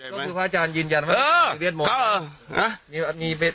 ต้องคือพระอาจารย์ยืนยันว่ามันมีเวทมนตร์